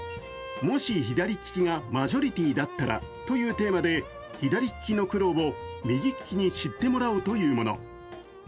もし左利きがマジョリティーだったらというテーマで左利きの苦労を右利きに知ってもらおうというもの。